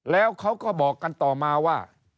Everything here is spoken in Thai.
แล้วเขาก็บอกกันต่อมาว่า